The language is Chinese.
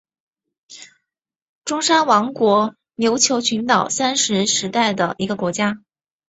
中山王国琉球群岛三山时代的一个国家。